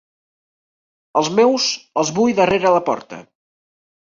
Els meus, els vull darrere la porta.